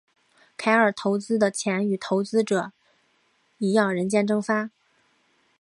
凯尔投资的钱与其他投资者一样人间蒸发。